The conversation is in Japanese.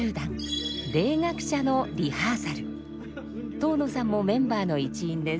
東野さんもメンバーの一員です。